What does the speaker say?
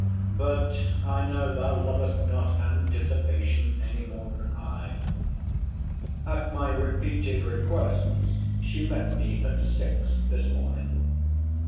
—But I know thou lovest not anticipation any more than I. At my repeated requests, she met me at six this morning.